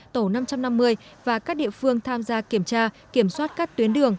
tổ năm trăm năm mươi và các địa phương tham gia kiểm tra kiểm soát các tuyến đường